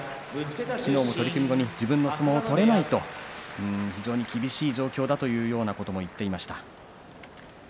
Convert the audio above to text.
昨日の取組後に自分の相撲が取れないと非常に厳しい状況だというようなことも言っていました。